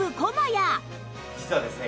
実はですね